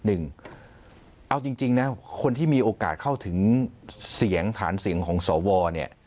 เอาจริงนะคนที่มีโอกาสเข้าถึงเสียงฐานเสียงของสวเนี่ย